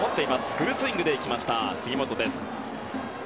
フルスイングでいった杉本です。